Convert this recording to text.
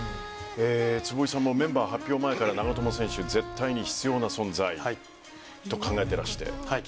坪井さんもメンバー発表前から長友選手絶対に必要な存在と考えてらして。